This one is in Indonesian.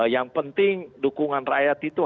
yang penting dukungan rakyat itu